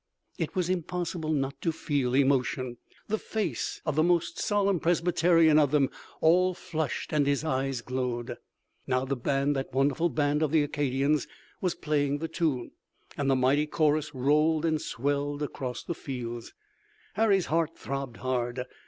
It was impossible not to feel emotion. The face of the most solemn Presbyterian of them all flushed and his eyes glowed. Now the band, that wonderful band of the Acadians, was playing the tune, and the mighty chorus rolled and swelled across the fields. Harry's heart throbbed hard.